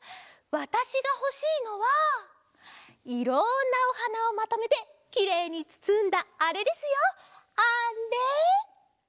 わたしがほしいのはいろんなおはなをまとめてきれいにつつんだあれですよあれ！